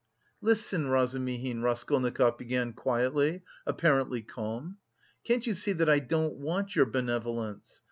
"Listen, Razumihin," Raskolnikov began quietly, apparently calm "can't you see that I don't want your benevolence?